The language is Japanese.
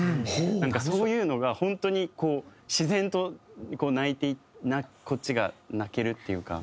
なんかそういうのが本当に自然と泣いてこっちが泣けるっていうか。